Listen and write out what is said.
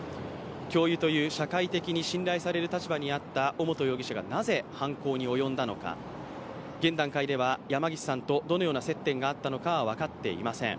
教諭という社会的に信頼される立場にあった尾本容疑者がなぜ犯行に及んだのか、現段階では山岸さんとどのような接点があったのかは分かっていません。